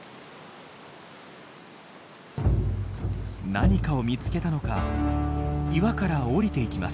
何かを見つけたのか岩から降りていきます。